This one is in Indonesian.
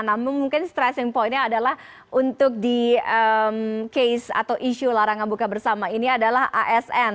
namun mungkin stressing pointnya adalah untuk di case atau isu larangan buka bersama ini adalah asn